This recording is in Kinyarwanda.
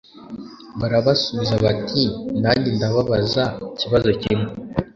b arabasubiza ati nanjye ndababaza ikibazo kimwe